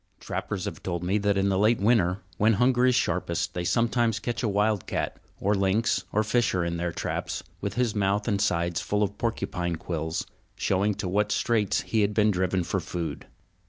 Trappers have told me that in the late winter, when hunger is sharpest, they sometimes catch a wild cat or lynx or fisher in their traps with his mouth and sides full of porcupine quills, showing to what straits he had been driven for food.